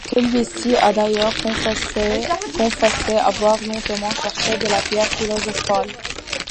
Celui-ci a d'ailleurs confessé avoir longtemps cherché la pierre philosophale.